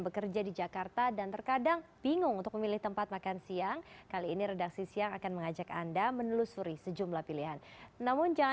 kita mencari makan siang